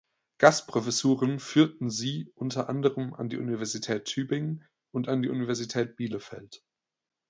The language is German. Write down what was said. Gastprofessuren führten sie unter anderem an die Universität Tübingen und an die Universität Bielefeld.